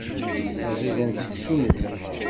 D aẓidan seksu-nwent.